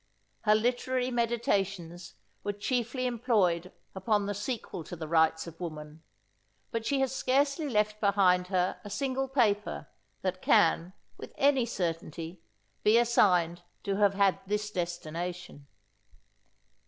Her literary meditations were chiefly employed upon the Sequel to the Rights of Woman; but she has scarcely left behind her a single paper, that can, with any certainty, be assigned to have had this destination.